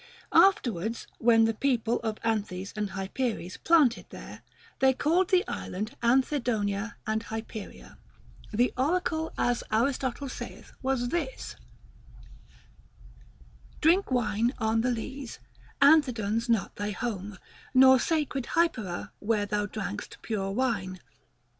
After wards, when the people of Anthes and Hyperes planted there, they called the island Anthedonia and Hyperia. Τ lie oracle, as Aristotle saith, was this : VOL. II. 18 274 THE GREEK QUESTIONS. Drink wine on th' lees, Anthedon's not thy home, Nor sacred Hypera where thou drank'st pure wine.